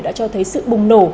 đã cho thấy sự bùng nổ